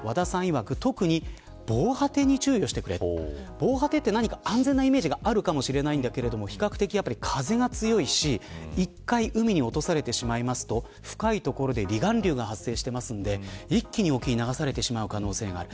防波堤は安全なイメージがあるかもしれないんだけど比較的風が強いし一回、海に落とされてしまうと深い所で離岸流が発生しているので一気に沖に流されてしまう可能性がある。